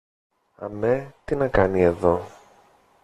Αμέ τι να κάνει εδώ;